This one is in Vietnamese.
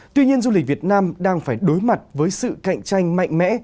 tuy nhiên du lịch việt nam đang phải đối mặt với sự cạnh tranh mạnh mẽ